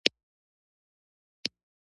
هدف له بنګال څخه د انګرېزانو ایستل دي.